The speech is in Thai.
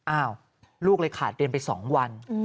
อ้าวลูกเลยขาดเรียนไป๒วัน